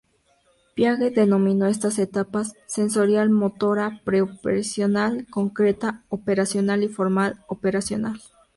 Piaget denominó estas etapas sensorial-motora, pre-operacional, concreta-operacional y formal-operacional.